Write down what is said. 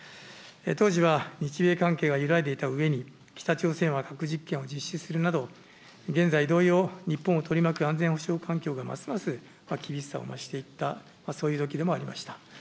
当時は日米関係は揺らいでいたうえに、北朝鮮は核実験を実施するなど、現在同様、安全保障環境がますます厳しさを増していった、そういうときでもありました。